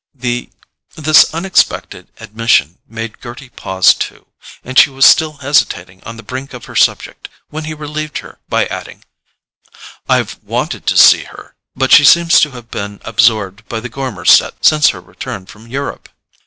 This unexpected admission made Gerty pause too; and she was still hesitating on the brink of her subject when he relieved her by adding: "I've wanted to see her—but she seems to have been absorbed by the Gormer set since her return from Europe."